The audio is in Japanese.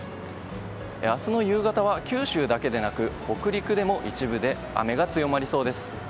明日の夕方は九州だけでなく北陸でも一部で雨が強まりそうです。